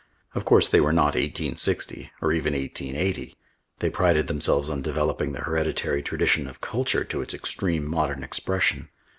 Of course they were not eighteen sixty, or even eighteen eighty. They prided themselves on developing the hereditary tradition of culture to its extreme modern expression.